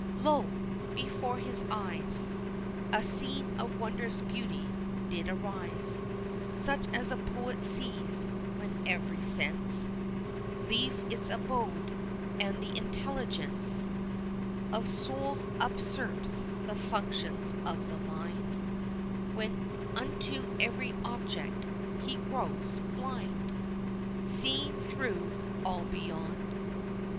Lo! before his eyes A scene of wondrous beauty did arise; Such as a poet sees when every sense Leaves its abode, and the intelligence Of soul usurps the functions of the mind, When unto every object he grows blind Seeing through all beyond.